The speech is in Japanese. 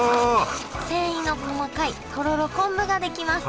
繊維の細かいとろろ昆布が出来ます